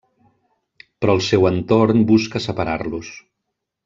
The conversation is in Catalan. Però el seu entorn busca separar-los.